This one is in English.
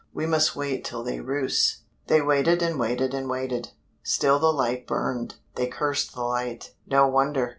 We must wait till they roost." They waited and waited and waited. Still the light burned. They cursed the light. No wonder.